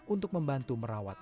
untuk membantu merawatnya